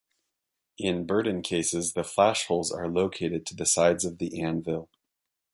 In Berdan cases, the flash holes are located to the sides of the anvil.